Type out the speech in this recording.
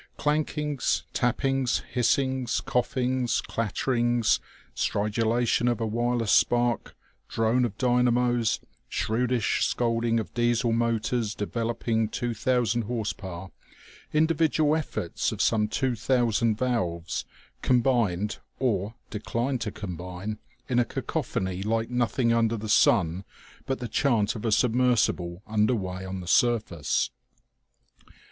Clankings, tappings, hissings, coughings, clatterings, stridulation of a wireless spark, drone of dynamos, shrewdish scolding of Diesel motors developing two thousand horsepower, individual efforts of some two thousand valves, combined or, declined to combine in a cacophony like nothing under the sun but the chant of a submersible under way on the surface.